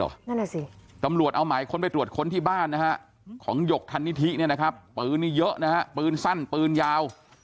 นั่นแหละสิตำรวจเอาหมายค้นไปตรวจค้นที่บ้านนะฮะของหยกธันนิธิเนี่ยนะครับปืนนี้เยอะนะฮะปืนสั้นปืนยาว